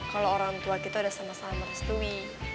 kalau orang tua kita udah sama sama merestui